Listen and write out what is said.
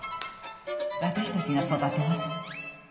私たちが育てます